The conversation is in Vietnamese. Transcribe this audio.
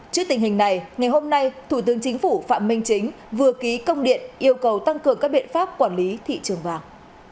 trước tình hình này ngày hôm nay thủ tướng chính phủ phạm minh chính vừa ký công điện yêu cầu tăng cường các biện pháp quản lý thị trường vàng